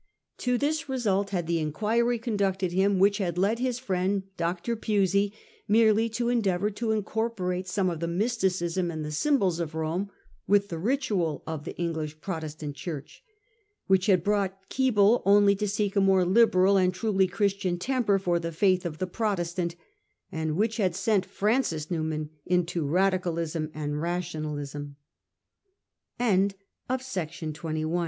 To this result had the inquiry conducted him which had led his friend Dr. Pusey merely to endeavour to incorporate some of the mysticism and the symbols of Rome with the ritual of the English Protestant Church; which had brought Keble only to seek a more liberal and truly Christian temper for the faith of the Protestant ; and which had sent Fran cis Newman into Radicalism and